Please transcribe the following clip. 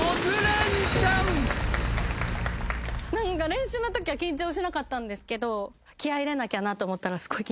練習のときは緊張しなかったんですけど気合入れなきゃなと思ったらすごい緊張しました。